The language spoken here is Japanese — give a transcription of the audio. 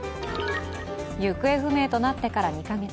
行方不明となってから２か月。